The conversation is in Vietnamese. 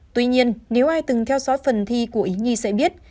tuy nhiên nếu ai từng theo phần thi của ý nhi sẽ biết